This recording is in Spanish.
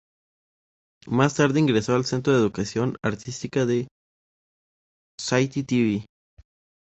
Más tarde ingresó al Centro de Educación Artística de Citytv.